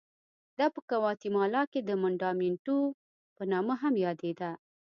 دا په ګواتیمالا کې د منډامینټو په نامه هم یادېده.